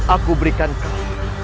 aku berikan kau